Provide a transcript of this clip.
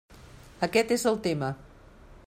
Aquest és el tema.